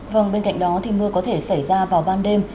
vâng bên cạnh đó thì mưa có thể xảy ra vào ban đêm